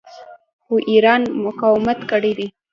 خو ایران مقاومت کړی دی.